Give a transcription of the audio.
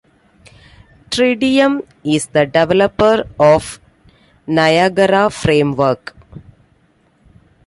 Tridium is the developer of Niagara Framework.